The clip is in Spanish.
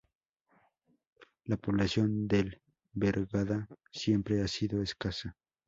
La población del Bergadá siempre ha sido escasa.